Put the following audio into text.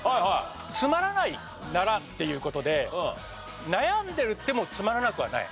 「つまらないなら」っていう事で悩んでてもつまらなくはない。